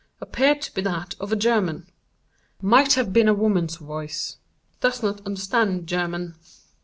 Appeared to be that of a German. Might have been a woman's voice. Does not understand German.